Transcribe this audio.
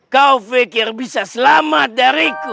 kau pikir bisa selamat dariku